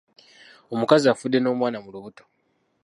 Omukazi afudde n’omwana mu lubuto.